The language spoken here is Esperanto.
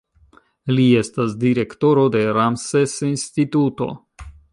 Li estas direktoro de Ramses-instituto.